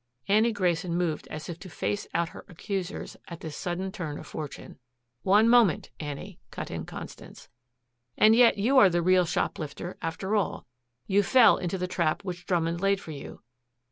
Annie Grayson moved as if to face out her accusers at this sudden turn of fortune. "One moment, Annie," cut in Constance. "And yet, you are the real shoplifter, after all. You fell into the trap which Drummond laid for you.